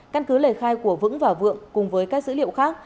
căn cứ lời khai của vững và vượng cùng với các dữ liệu khác